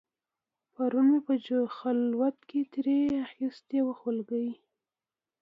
پرون مې په خلوت کې ترې اخیستې وه خولګۍ